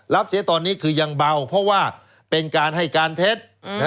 เสียตอนนี้คือยังเบาเพราะว่าเป็นการให้การเท็จ